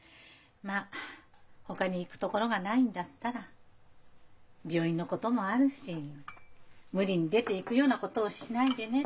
まあ「ほかに行くところがないんだったら病院のこともあるし無理に出ていくようなことをしないでね」